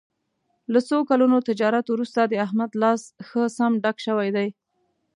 له څو کلونو تجارت ورسته د احمد لاس ښه سم ډک شوی دی.